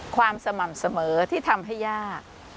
ความสม่ำเสมอที่ทำให้ยาก